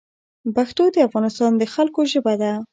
پښتو د افغانستان د خلګو ژبه ده